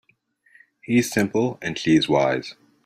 He's simple and she's wise.